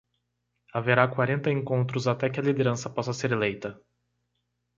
Haverá quarenta encontros até que a liderança possa ser eleita